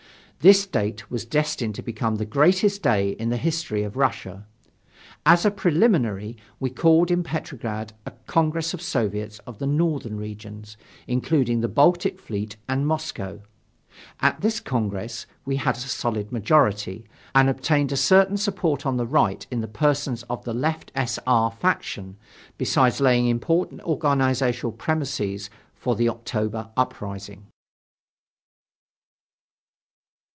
This date was destined to become the greatest day in the history of Russia. As a preliminary, we called in Petrograd a Congress of Soviets of the Northern regions, including the Baltic fleet and Moscow. At this Congress, we had a solid majority, and obtained a certain support on the right in the persons of the left S. R. faction, besides laying important organizational premises for the October uprising.